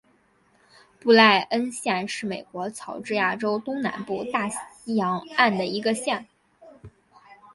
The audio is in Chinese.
布赖恩县是美国乔治亚州东南部大西洋岸的一个县。